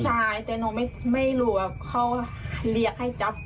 ใช่แต่หนูไม่รู้ว่าเขาเรียกให้จับ